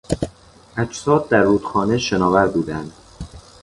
اجساد در رودخانه شناور بودند.